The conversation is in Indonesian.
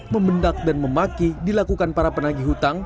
membendak dan memaki dilakukan para penagi hutang